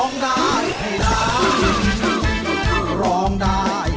คือร้องได้ให้ร้าน